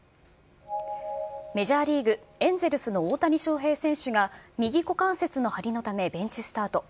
メジャーリーグ・エンゼルスの大谷翔平選手が、右股関節の張りのため、ベンチスタート。